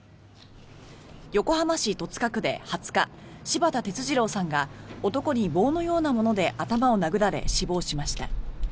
横浜市戸塚区で２０日柴田哲二郎さんが男に棒のようなもので頭を殴られ死亡しました。